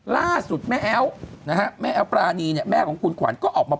ล่าสุดแม่แอ๊วนะฮะแม่แอ๊วปรานีเนี่ยแม่ของคุณขวัญก็ออกมา